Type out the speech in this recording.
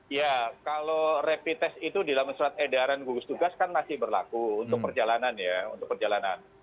ya kalau rapid test itu di dalam surat edaran gugus tugas kan masih berlaku untuk perjalanan ya untuk perjalanan